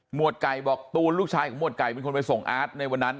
วดไก่บอกตูนลูกชายของหวดไก่เป็นคนไปส่งอาร์ตในวันนั้น